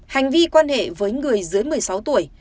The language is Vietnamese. hành vi quan hệ với người dưới một mươi sáu tuổi